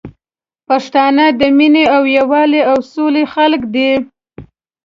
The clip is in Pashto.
پښتانه د مينې او یوالي او سولي خلګ دي